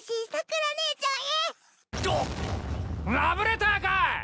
ラブレターかい！